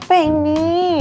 masa aku capek ini